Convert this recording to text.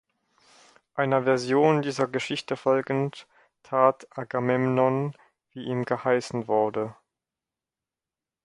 Einer Version dieser Geschichte folgend tat Agamemnon, wie ihm geheißen wurde.